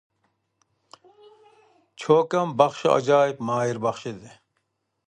چوكان باخشى ئاجايىپ ماھىر باخشى ئىدى.